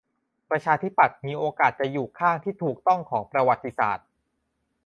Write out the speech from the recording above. ประชาธิปัตย์มีโอกาสจะอยู่ข้างที่ถูกต้องของประวัติศาสตร์